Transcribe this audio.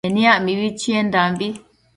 Meniac mibi chiendambi